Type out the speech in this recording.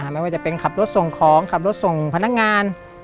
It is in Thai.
ไม่ว่าจะเป็นขับรถส่งของขับรถส่งพนักงาน